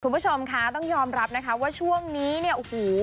คุณผู้ชมคะต้องยอมรับนะคะว่าช่วงนี้เนี่ยโอ้โห